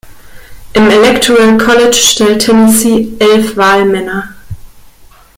Im Electoral College stellt Tennessee elf Wahlmänner.